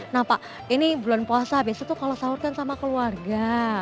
nah pak ini bulan puasa biasanya tuh kalau sahur kan sama keluarga